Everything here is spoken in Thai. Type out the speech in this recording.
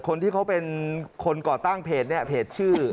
คนที่เขาเป็นคนก่อตั้งเพจเนี่ยเพจชื่อ